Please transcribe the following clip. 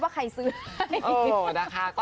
ว่าใครซื้อให้